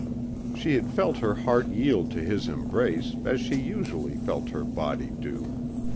She had felt her heart yield to his embrace as she usually felt her body do.